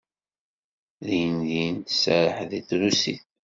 Dindin tserreḥ deg trusit.